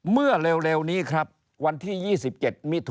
เมื่อเร็วนี้ครับวันที่๒๗มิถุ